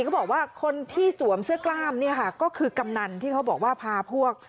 เขาบอกว่าคนที่สวมเสื้อกล้ามเนี่ยค่ะก็คือกำนันที่เขาบอกว่าพาพวก